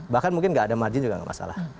bahkan mungkin nggak ada margin juga nggak masalah